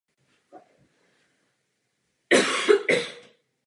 Dopad úlomků sledoval Hubbleův vesmírný dalekohled.